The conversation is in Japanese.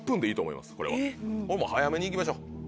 これもう早めに行きましょう。